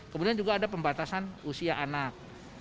kemudian juga ada pembatasan usia anak